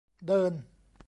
เดิน